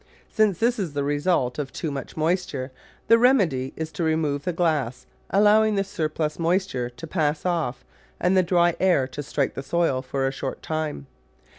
Since this is the result of too much moisture, the remedy is to remove the glass, allowing the surplus moisture to pass off and the dry air to strike the soil for a short time.